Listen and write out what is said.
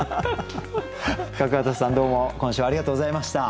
角幡さんどうも今週はありがとうございました。